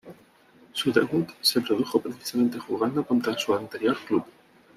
Su debut se produjo precisamente jugando contra su anterior club.